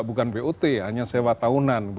bukan bot hanya sewa tahunan